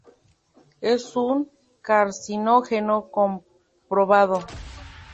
Es un carcinógeno comprobado.